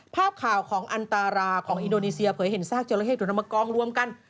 ภาพข่าวของอันตราราของอินโดนีเซียเผยเห็นซากจราเข้โดนเอามากองรวมกัน